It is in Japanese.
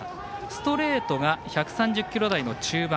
ストレートが１３０キロ台の中盤。